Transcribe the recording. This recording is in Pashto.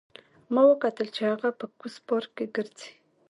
ما وکتل چې هغه په کوز پارک کې ګرځي